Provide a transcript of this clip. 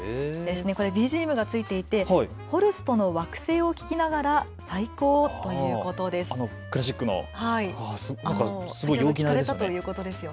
ＢＧＭがついていてホルストの惑星を聴きながら最高ということです。